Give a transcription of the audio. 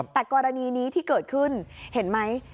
แต่กรณีนี้ที่เกิดขึ้นเห็นไหม